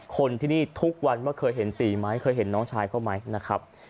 คนที่นี่ทุกวันว่าเคยเห็นปีไหมเคยเห็นน้องชายเขาไหมนะครับ